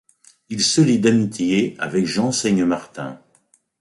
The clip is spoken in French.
Il se lie d'amitié avec Jean Seignemartin.